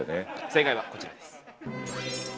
正解はこちらです。